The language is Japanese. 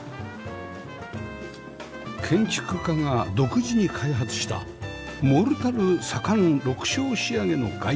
建築家が独自に開発したモルタル左官緑青仕上げの外壁